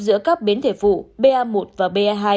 giữa các biến thể phụ ba một và ba hai